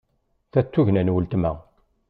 Ta d tugna n weltma.